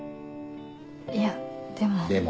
いやでも。